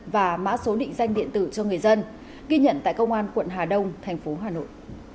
và mã số định danh điện tử cho người dân ghi nhận tại công an quận hà đông thành phố hà nội